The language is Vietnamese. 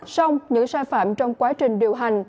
xong những sai phạm trong quá trình điều hành